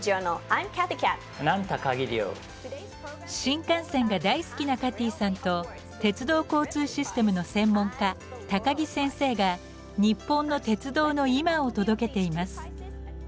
新幹線が大好きなカティーさんと鉄道交通システムの専門家高木先生が日本の鉄道の今を届けています。